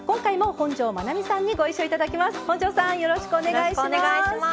本上さんよろしくお願いします。